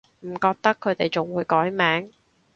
唔覺得佢哋仲會改名